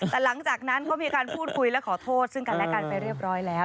แต่หลังจากนั้นก็มีการพูดคุยและขอโทษซึ่งกันและกันไปเรียบร้อยแล้ว